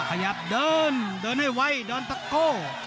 ขยับเดินเดินให้ไวเดินตะโก้